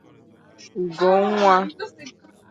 Ugo nwa